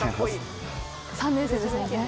３年生ですもんね？